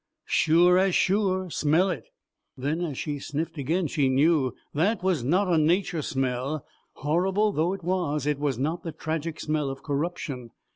"Sure as sure; smell it." Then, as she sniffed again, she knew. That was not a nature smell; horrible though it was it was not the tragic smell of corruption.